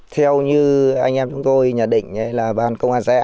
theo như anh em chúng tôi nhận định là ban công an xã